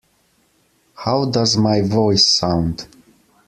How does my voice sound?